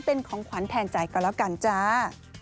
เป็นของขวัญแทนใจก็แล้วกันจ้า